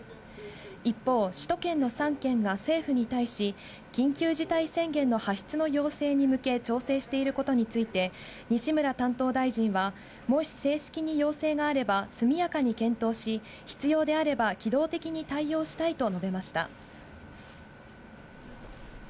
一方、首都圏の３県が政府に対し、緊急事態宣言の発出の要請に向け、調整していることについて、西村担当大臣は、もし正式に要請があれば、速やかに検討し、必要であれば機動的に対応したいと述べました。